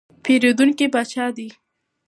پیرودونکی پاچا دی.